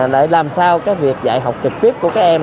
lại làm sao cái việc dạy học trực tiếp của các em